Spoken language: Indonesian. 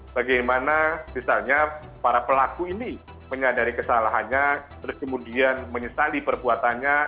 bagaimana misalnya para pelaku ini menyadari kesalahannya terus kemudian menyesali perbuatannya